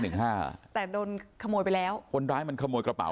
แต่โดนขโมยไปแล้วคนร้ายมันขโมยกระเป๋